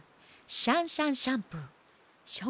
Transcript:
シャンシャンシャンプー。